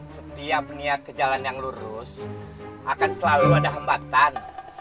setiap niat ke jalan yang lurus akan selalu ada hambatan